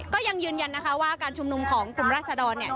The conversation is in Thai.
ก็ยังยืนยันนะคะว่าการชุมนุมของกลุ่มราศดร